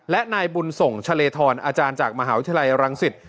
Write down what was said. และนายบุญส่งชะเลธรอาจารย์จากมหาวิทยาลัยรังสิต